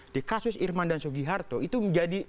di kasus irman dan soegiharto itu menjadi putus asa